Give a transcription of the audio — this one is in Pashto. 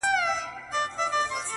o ﻻس چي مات سي غاړي ته لوېږي٫